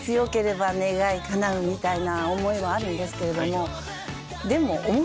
みたいな思いもあるんですけれどもでも。